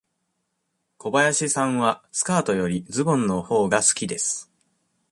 小林さんはスカートよりズボンのほうが好きです。